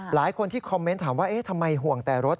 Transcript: หลายคนที่คอมเมนต์ถามว่าเอ๊ะทำไมห่วงแต่รถ